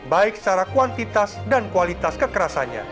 baik secara kuantitas dan kualitas kekerasannya